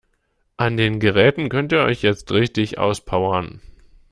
An den Geräten könnt ihr euch jetzt richtig auspowern.